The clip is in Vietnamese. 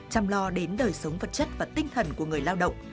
chăm lo đến đời sống vật chất và tinh thần của người lao động